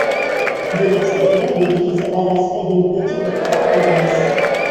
De l’extérieur l’église a l’aspect d’une petite forteresse.